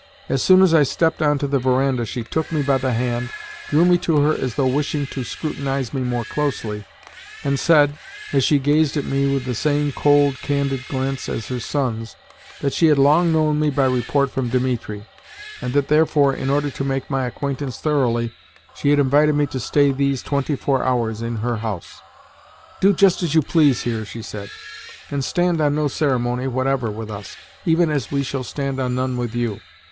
As soon as I stepped on to the verandah she took me by the hand, drew me to her as though wishing to scrutinise me more closely, and said, as she gazed at me with the same cold, candid glance as her son's, that she had long known me by report from Dimitri, and that therefore, in order to make my acquaintance thoroughly, she had invited me to stay these twenty four hours in her house. "Do just as you please here," she said, "and stand on no ceremony whatever with us, even as we shall stand on none with you.